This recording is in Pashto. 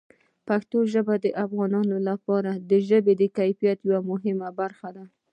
پښتو ژبه د افغانانو لپاره د ژوند د کیفیت یوه مهمه برخه ده.